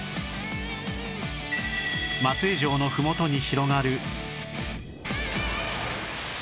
松江城のふもとに広がる